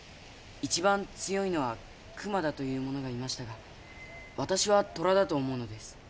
一番強いのは熊だという者がいましたが私は虎だと思うのです。